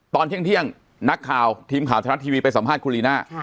ตอนเที่ยงนักข่าวทีมข่าวชะละทีวีไปสัมภาษณ์คุณลีน่า